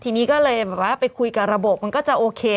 ทีนี้ก็เลยแบบว่าไปคุยกับระบบมันก็จะโอเค